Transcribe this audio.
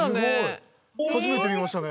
初めて見ましたね。